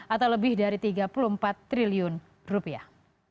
atau lebih dari tiga puluh empat triliun rupiah